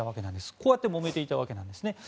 こうやってもめていたわけです。